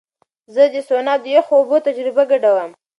زه د سونا او یخو اوبو تجربه ګډوم.